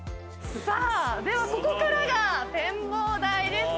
さあではここからが展望台です。